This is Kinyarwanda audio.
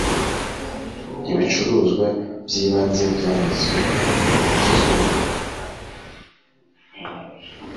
ibicuruzwa by ibanze byamazwe kugezwamo